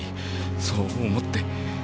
そう思って。